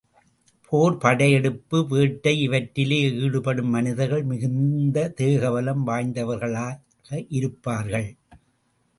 போர் படையெடுப்பு, வேட்டை இவற்றிலே ஈடுபடும் மனிதர்கள் மிகுந்த தேகபலம் வாய்ந்தவர்களாயிருப்பார்கள்.